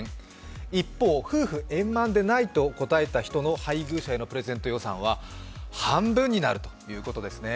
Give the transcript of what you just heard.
一方、夫婦円満でないと答えた人の配偶者へのプレゼント予算は半分になるということですね、